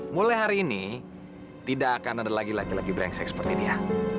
mulai hari ini tidak akan ada lagi laki laki brengsek seperti dia